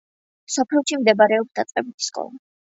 სოფელში მდებარეობს დაწყებითი სკოლა.